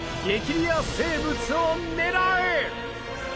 レア生物を狙え！